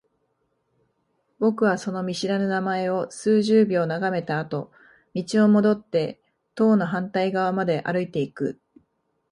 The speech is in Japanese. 僕はその見知らぬ名前を数十秒眺めたあと、道を戻って棟の反対側まで歩いていく。